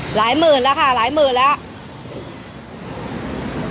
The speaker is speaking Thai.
หลายหมื่นแล้วค่ะหลายหมื่นแล้ว